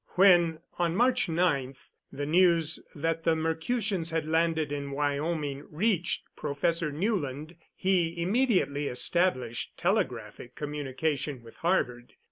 When, on March 9, the news that the Mercutians had landed in Wyoming reached Professor Newland, he immediately established telegraphic communication with Harvard.